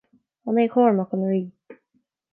An é Cormac an rí?